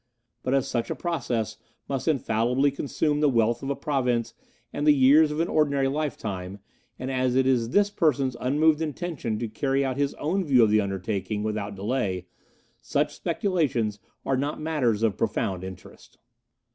But as such a process must infallibly consume the wealth of a province and the years of an ordinary lifetime, and as it is this person's unmoved intention to carry out his own view of the undertaking without delay, such speculations are not matters of profound interest."